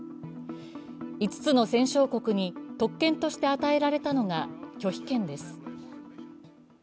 ５つの戦勝国に特権として与えられたのが拒否権です。